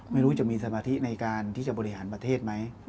ไม่รู้จะมีสมาธิในการที่จะบริหารประเทศไหม